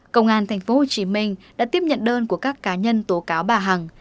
công an tp hcm đã tiếp nhận đơn của các cá nhân tố cáo bà hằng